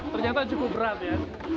ternyata cukup berat ya